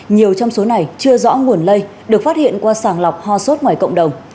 nhiều trong số này chưa rõ nguồn lây được phát hiện qua sàng lọc ho sốt ngoài cộng đồng